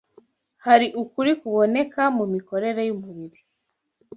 Hari ukuri kuboneka mu mikorere y’umubiri